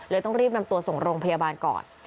ต้องรีบนำตัวส่งโรงพยาบาลก่อน